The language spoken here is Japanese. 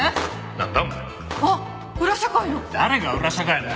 誰が裏社会だよ！